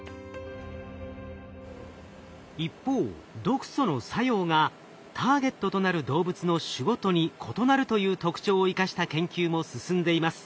一方毒素の作用がターゲットとなる動物の種ごとに異なるという特徴を生かした研究も進んでいます。